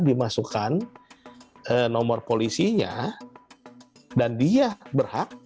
dimasukkan nomor polisinya dan dia berhak